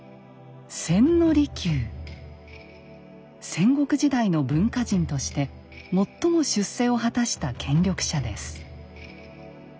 戦国時代の文化人として最も出世を果たした権力者です。